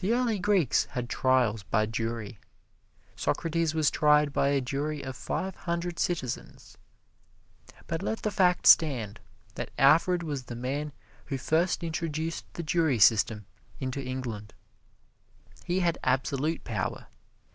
The early Greeks had trials by jury Socrates was tried by a jury of five hundred citizens. But let the fact stand that Alfred was the man who first introduced the jury system into England. He had absolute power.